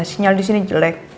sinyal disini jelek